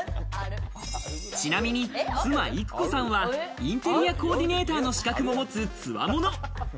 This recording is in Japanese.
ちなみに妻・郁子さんはインテリアコーディネーターの資格を持つ強者。